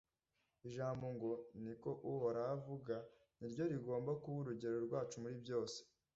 ijambo ngo, niko uhoraho avuga ni ryo rigomba kuba urugero rwacu muri byose. .